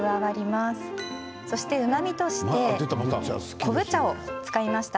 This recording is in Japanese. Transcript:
そして、うまみとして昆布茶を使いました。